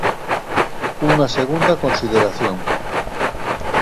Unha segunda consideración.